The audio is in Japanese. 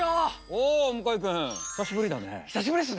おお向井君久しぶりだね。